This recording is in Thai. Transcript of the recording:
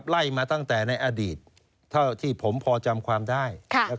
ไล่มาตั้งแต่ในอดีตเท่าที่ผมพอจำความได้